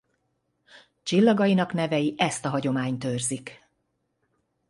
Csillagainak nevei ezt a hagyományt őrzik.